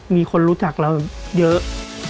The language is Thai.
มีคนรู้จักเราเยอะ